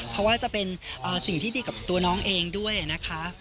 เพราะว่าจะเป็นสิ่งที่ดีกับตัวน้องเองด้วยนะคะ